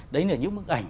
đấy là những bức ảnh